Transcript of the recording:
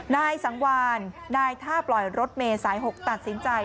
นายสังวานนายท่าปล่อยรถเมย์สาย๖ตัดสินใจ